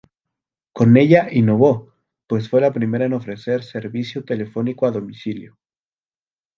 Con ella innovó, pues fue la primera en ofrecer servicio telefónico a domicilio.